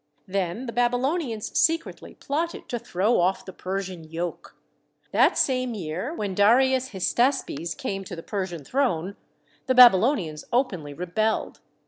Then the Babylonians secretly plotted to throw off the Persian yoke. That same year, when Darius Hystaspes came to the Persian throne, the Babylonians openly re belled.